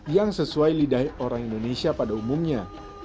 yang sesuai lidah orang indonesia pada umumnya